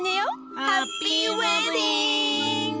ハッピーウエディング！